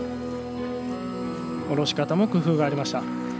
降ろし方も工夫がありました。